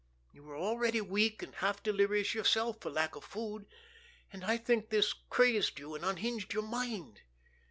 You were already weak and half delirious yourself for lack of food, and I think this crazed you and unhinged your mind.